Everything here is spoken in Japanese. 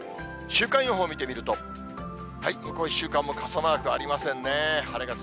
週間予報見てみると、向こう１週間も傘マークありませんね。